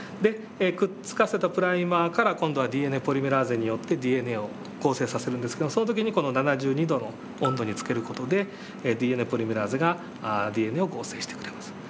くっつかせたプライマーから今度はＤＮＡポリメラーゼによってＤＮＡを構成させるんですけどその時にこの７２度の温度につける事でＤＮＡポリメラーゼがＤＮＡを合成してくれます。